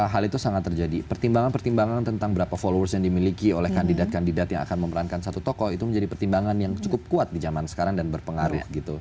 hal itu sangat terjadi pertimbangan pertimbangan tentang berapa followers yang dimiliki oleh kandidat kandidat yang akan memerankan satu tokoh itu menjadi pertimbangan yang cukup kuat di zaman sekarang dan berpengaruh